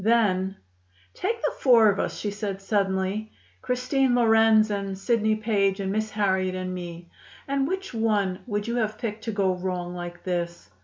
Then: "Take the four of us," she said suddenly, "Christine Lorenz and Sidney Page and Miss Harriet and me, and which one would you have picked to go wrong like this?